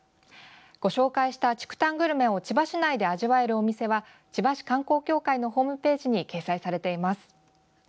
ご紹介した竹炭グルメを千葉市内で味わえるお店は千葉市観光協会のホームページに掲載されています。